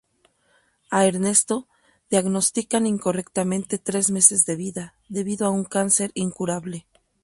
A Ernesto diagnostican incorrectamente tres meses de vida debido a un cáncer incurable.